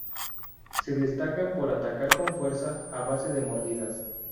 Se destacan por atacar con fuerza a base de mordidas.